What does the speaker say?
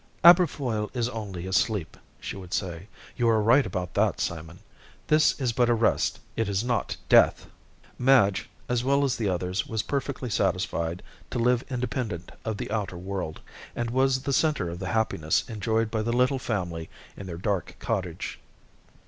"Aberfoyle is only asleep," she would say. "You are right about that, Simon. This is but a rest, it is not death!" Madge, as well as the others, was perfectly satisfied to live independent of the outer world, and was the center of the happiness enjoyed by the little family in their dark cottage.